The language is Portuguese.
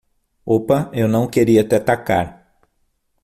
Opa, eu não queria te atacar!